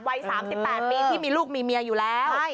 วัย๓๘ปีที่มีลูกมีเมียอยู่แล้ว